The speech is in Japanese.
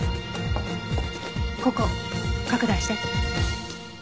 ここ拡大して。